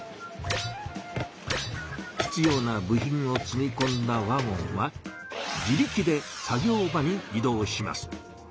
必要な部品を積みこんだワゴンは自力で作業場にい動します。